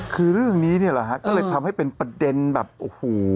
คือเรื่องนี้เนี่ยแหละฮะก็เลยทำให้เป็นประเด็นแบบโอ้โห